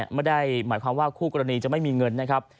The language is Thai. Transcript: ไม่ได้หมายความว่าคู่กรณีจะไม่มีเงินนะครับ